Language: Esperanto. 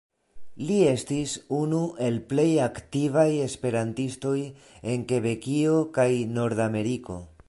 Li estis unu el plej aktivaj esperantistoj en Kebekio kaj Nordameriko.